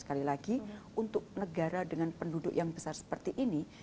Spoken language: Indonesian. sekali lagi untuk negara dengan penduduk yang besar seperti ini